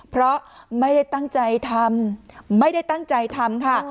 เพราะไม่ได้ตั้งใจทำไม่ได้ตั้งใจทำค่ะ